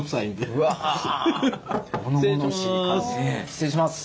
失礼します。